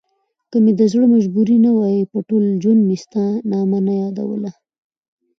که مې دزړه مجبوري نه وای په ټوله ژوندمي ستا نامه نه يادوله